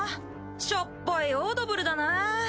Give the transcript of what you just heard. しょっぼいオードブルだなぁ。